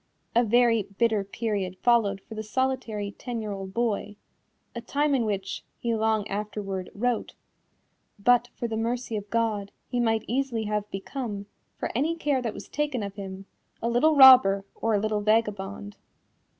A very bitter period followed for the solitary ten year old boy a time in which, he long afterward wrote, "but for the mercy of God, he might easily have become, for any care that was taken of him, a little robber or a little vagabond."